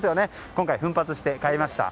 今回は奮発して買いました。